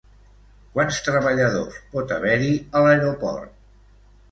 Quants treballadors pot haver-hi a l'aeroport?